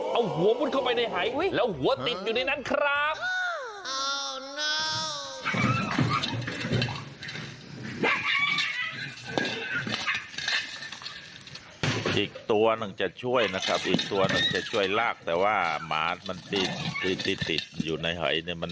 เอาหัวมุดเข้าไปในหายแล้วหัวติดอยู่ในนั้นครับ